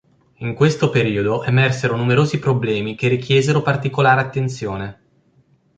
In questo periodo emersero numerosi problemi che richiesero particolare attenzione.